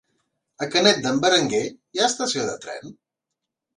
A Canet d'en Berenguer hi ha estació de tren?